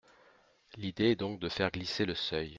L’idée est donc de faire glisser le seuil.